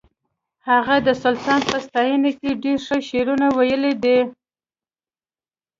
هغه د سلطان په ستاینه کې ډېر ښه شعرونه ویلي دي